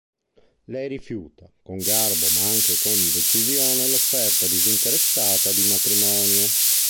Lei rifiuta, con garbo ma anche con decisione, l'offerta "disinteressata" di matrimonio.